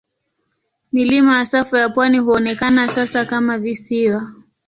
Milima ya safu ya pwani huonekana sasa kama visiwa.